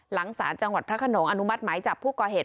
หลังศาลจังหวัดพระขนงอนุมัติหมายจับผู้ก่อเหตุ